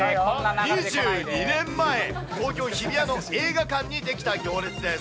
２２年前、東京・日比谷の映画館に出来た行列です。